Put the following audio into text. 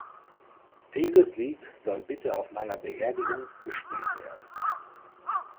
Dieses Lied soll bitte auf meiner Beerdigung gespielt werden.